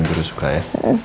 nanti gue lebih suka ya